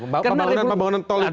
pembangunan pembangunan tol itu